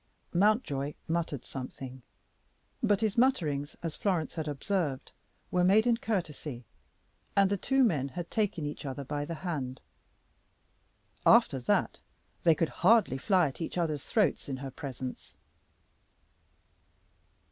Mountjoy muttered something, but his mutterings, as Florence had observed, were made in courtesy. And the two men had taken each other by the hand; after that they could hardly fly at each other's throats in her presence.